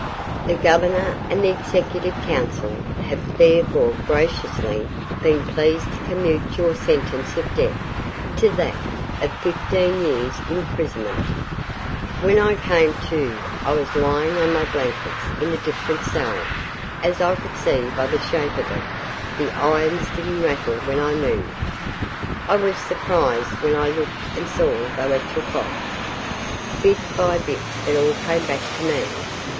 The Governor and the Executive Council have therefore graciously been pleased to commute your sentence of death to that of fifteen years' imprisonment.' ..... When I came to I was lying on my blankets in a different cell, as I could see by the shape of it. The irons didn't rattle when I moved. I was surprised when I looked and saw they were took off. Bit by bit it all came back to me.